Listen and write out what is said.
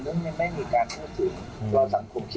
เราทั้งคมคิดว่าการให้การช่วยเหลือน้อยหรือเกินทุกครั้งที่มีคนพูด